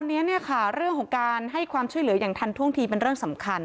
อันนี้เนี่ยค่ะเรื่องของการให้ความช่วยเหลืออย่างทันท่วงทีเป็นเรื่องสำคัญ